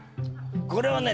これをね